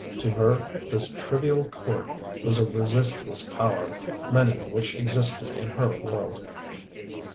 To her this trivial court was a resistless power, many of which existed in her world.